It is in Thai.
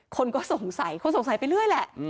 คนก็สงสัยคนสงสัยไปเรื่อยแหละ